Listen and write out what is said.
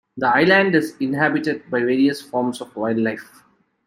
The island is inhabited by various forms of wildlife.